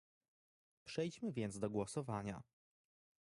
Przejdźmy więc do głosowania